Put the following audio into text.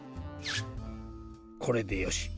これでよし。